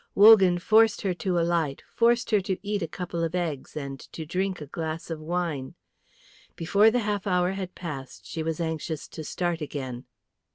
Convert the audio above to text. Wogan forced her to alight, forced her to eat a couple of eggs, and to drink a glass of wine. Before the half hour had passed, she was anxious to start again.